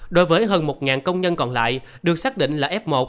đối với hơn một công nhân còn lại được xác định là f một